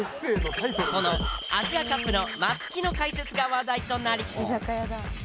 このアジアカップの松木の解説が話題となり。